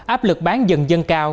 áp lực bán dần dân cao